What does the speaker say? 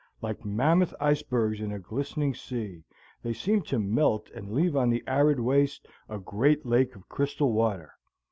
Like mammoth icebergs in a glistening sea, they seemed to melt and leave on the arid waste a great lake of crystal water.